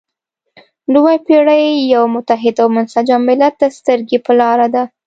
نوې پېړۍ یو متحد او منسجم ملت ته سترګې په لاره ده.